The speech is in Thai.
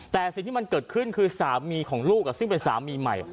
แต่สิ่งที่มันเกิดขึ้นคือสามีของลูกซึ่งเป็นสามีใหม่